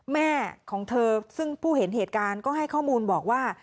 แม่ของเธอซึ่งผู้เห็นเหตุการณ์ก็ให้ข้อมูลบอกว่า